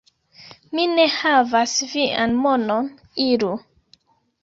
Mi ne havas vian monon, iru!